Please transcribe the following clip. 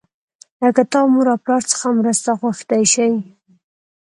له کتاب، مور او پلار څخه مرسته غوښتی شئ.